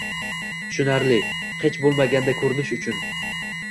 Tushunarli, hech boʻlmaganda koʻrish uchun...